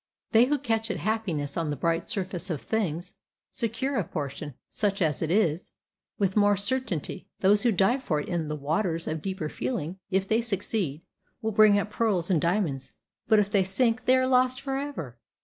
They who catch at happiness on the bright surface of things, secure a portion, such as it is, with more certainty; those who dive for it in the waters of deeper feeling, if they succeed, will bring up pearls and diamonds, but if they sink they are lost forever!